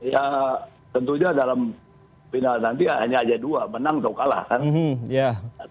ya tentunya dalam final nanti hanya aja dua menang atau kalah kan